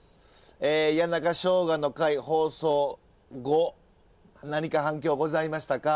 谷中しょうがの回放送後何か反響ございましたか？